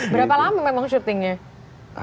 berapa lama memang syutingnya